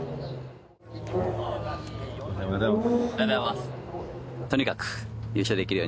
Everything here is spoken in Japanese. おはようございます。